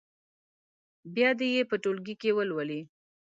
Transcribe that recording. بیا دې یې په ټولګي کې ولولي.